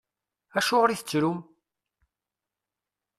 Acuɣeṛ i tettrum?